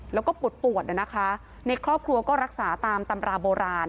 แล้วก็ปวดปวดนะคะในครอบครัวก็รักษาตามตำราโบราณ